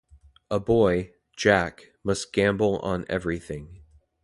A boy, Jack, must gamble on everything.